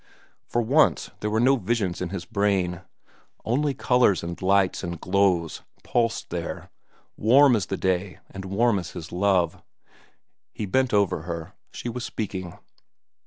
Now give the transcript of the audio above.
For once there were no visions in his brain. Only colors and lights and glows pulsed there, warm as the day and warm as his love. He bent over her. She was speaking.